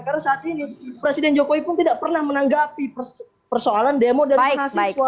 karena saat ini presiden jokowi pun tidak pernah menanggapi persoalan demo dari mahasiswa